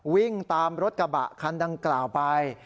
วิ่งตามรถกระบะคันดังกล่าวไป